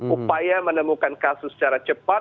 upaya menemukan kasus secara cepat